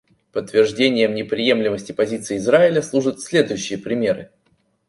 Подтверждением неприемлемости позиции Израиля служат следующие примеры.